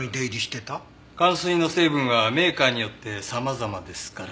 かん水の成分はメーカーによって様々ですから。